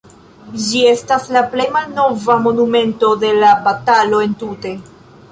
Ĝi estas la plej malnova monumento de la batalo entute.